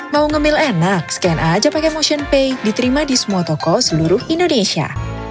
mau nge mail enak scan aja pake motionpay diterima di semua toko seluruh indonesia